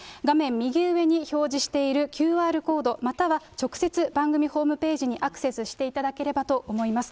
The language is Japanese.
右上に表示しているＱＲコード、または直接、番組ホームページにアクセスしていただければと思います。